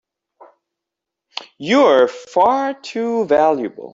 You're far too valuable!